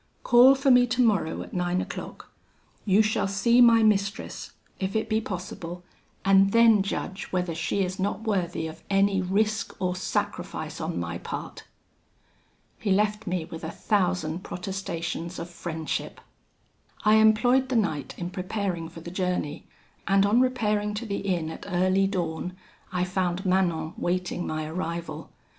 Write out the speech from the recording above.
Call for me tomorrow at nine o'clock: you shall see my mistress, if it be possible, and then judge whether she is not worthy of any risk or sacrifice on my part.' He left me, with a thousand protestations of friendship. "I employed the night in preparing for the journey, and on repairing to the inn at early dawn, I found Manon waiting my arrival.